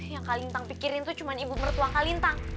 yang kak lintang pikirin tuh cuma ibu mertua kak lintang